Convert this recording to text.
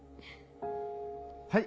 はい！